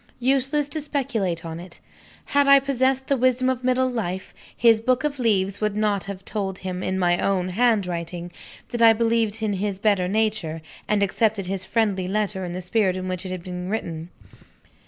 Useless to speculate on it! Had I possessed the wisdom of middle life, his book of leaves would not have told him, in my own handwriting, that I believed in his better nature, and accepted his friendly letter in the spirit in which he had written.